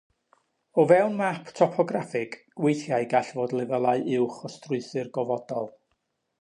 O fewn map topograffig, weithiau gall fod lefelau uwch o strwythur gofodol.